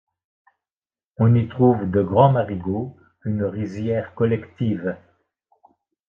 On y trouve de grands marigots, une rizière collective.